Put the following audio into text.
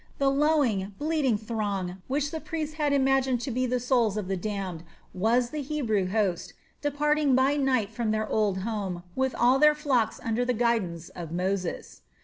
The lowing, bleating throng which the priests had imagined to be the souls of the damned was the Hebrew host, departing by night from their old home with all their flocks under the guidance of Moses.